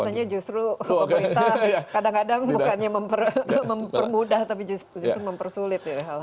biasanya justru pemerintah kadang kadang bukannya mempermudah tapi justru mempersulit hal ini